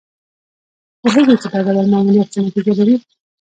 پوهېږي چې دا ډول ماموریت څه نتیجه لري.